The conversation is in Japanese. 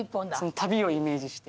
旅をイメージして。